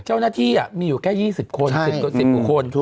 เจ้าหน้าที่มีอยู่แค่๒๐คน๑๐กว่าคน